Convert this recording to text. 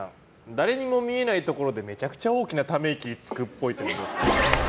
誰にも見えないところでめちゃくちゃ大きなため息つくっぽい。